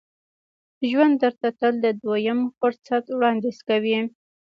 ژوند درته تل د دوهم فرصت وړاندیز کوي.